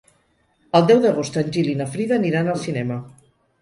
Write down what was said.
El deu d'agost en Gil i na Frida aniran al cinema.